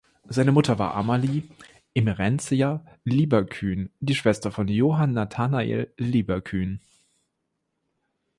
Seine Mutter war Amalie Emerentia Lieberkühn, die Schwester von Johann Nathanael Lieberkühn.